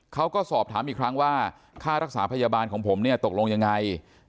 เขาก็สอบถามอีกครั้งว่าค่ารักษาพยาบาลของผมเนี่ยตกลงยังไง